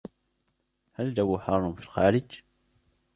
هل الجو حار في الخارج؟